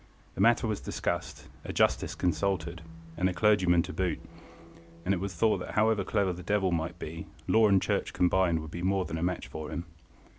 The matter was discussed, a justice consulted, and a clergyman to boot, and it was thought that however clever the devil might be, law and church combined would be more than a match for him.